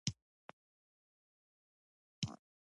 ما وویل: نور مې ایټالوي یونیفورم هم په تن نه دی.